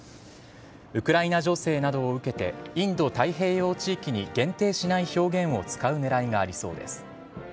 ウクライナ情勢などを受けて、インド太平洋地域に限定しない表現を使うねらいがありそうです。